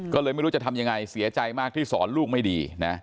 ก็เลยไม่รู้จะทำยังไงเสียใจมากที่สอนลูกไม่ดีนะ